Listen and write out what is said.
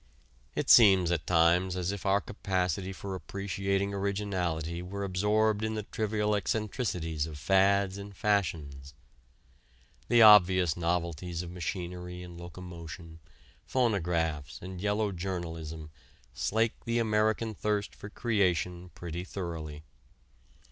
It seems at times as if our capacity for appreciating originality were absorbed in the trivial eccentricities of fads and fashions. The obvious novelties of machinery and locomotion, phonographs and yellow journalism slake the American thirst for creation pretty thoroughly.